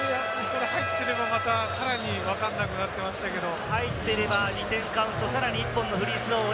入ってれば、またさらにわからなくなってましたけれども。